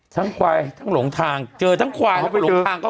ทั้งควายทั้งหลงทางเจอทั้งควายทั้งหลงทาง